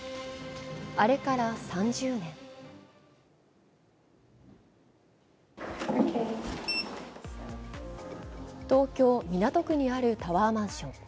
あれから３０年東京・港区にあるタワーマンション。